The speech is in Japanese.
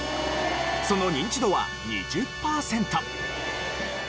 そのニンチドは２０パーセント。